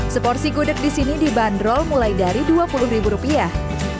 seporsi gudeg di sini dibanderol mulai dari dua puluh ribu rupiah